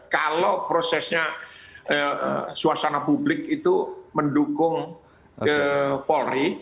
kalau prosesnya suasana publik itu mendukung ke polri